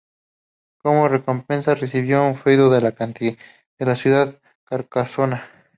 Como recompensa, recibió el feudo de la ciudad de Carcasona.